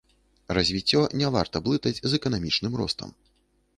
Развіццё не варта блытаць з эканамічным ростам.